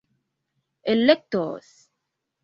elektos